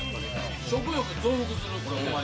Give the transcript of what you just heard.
食欲増幅する！